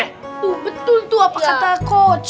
betul tuh apa kata coach